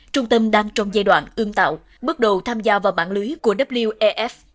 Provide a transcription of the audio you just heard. trung tâm đang trong giai đoạn ương tạo bước đầu tham gia vào bản lưới của wef